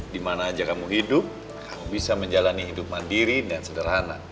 dimana aja kamu hidup kamu bisa menjalani hidup mandiri dengan sederhana